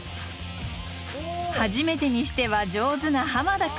初めてにしては上手な濱田君。